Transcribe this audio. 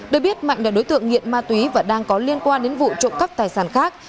được biết mạnh là đối tượng nghiện ma túy và đang có liên quan đến vụ trộm cắp tài sản khác